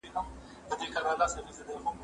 زه بايد انځور وګورم؟!